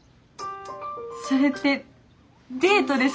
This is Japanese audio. それってデートですか？